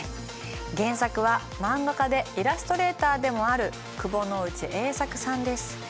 原作は漫画家でイラストレーターでもある窪之内英策さんです。